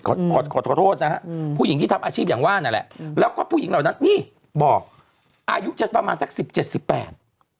ขอขอขอโทษนะฮะอืมผู้หญิงที่ทำอาชีพอย่างว่านั่นแหละแล้วก็ผู้หญิงเหล่านั้นนี่บอกอายุจะประมาณสักสิบเจ็ดสิบแปด